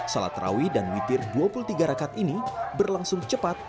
salat rawi dan witir dua puluh tiga rakad ini berlangsung cepat